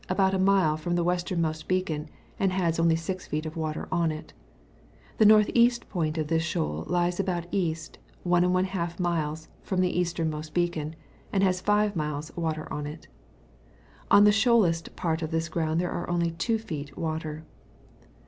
about a mile from the westernmost beacon, and has only 6 feet water on it ; the N.E» point of this shoal lies about East, 1^ mile from the easternmost beacon, and has 5 fathoms water on it. On the shoalest part of this ground are only 2 feet water.